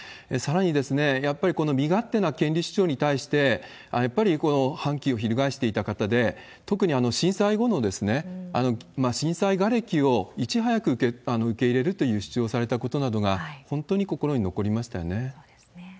さらに、やっぱりこの身勝手な権利主張に対して、やっぱりこの反旗を翻していた方で、特に震災後の震災がれきをいち早く受け入れるという主張をされたことなどが、本当に心に残りましたね。